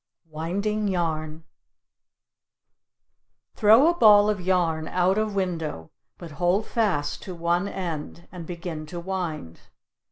WINDING YARN Throw a ball of yarn out of window but hold fast to one end and begin to wind.